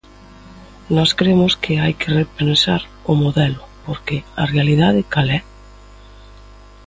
Nós cremos que hai que repensar o modelo, porque ¿a realidade cal é?